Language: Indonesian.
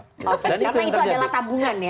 karena itu adalah tabungan ya